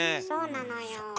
そうなのよ。